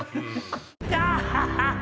ヤハハハ！